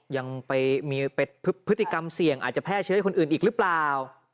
ยังไปมีพฤติกรรมเสี่ยงอาจจะแพร่เชื้อให้คนอื่นอีกหรือเปล่า